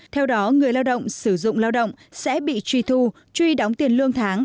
theo đó người lao động sử dụng lao động sẽ bị truy thu truy đóng tiền lương tháng